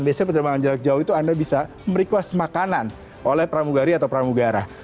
biasanya penerbangan jarak jauh itu anda bisa merequest makanan oleh pramugari atau pramugara